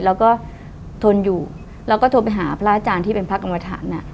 แล้วก็ทนอยู่แล้วก็โทรไปหาพระอาจารย์ที่เป็นพระกรรมฐาน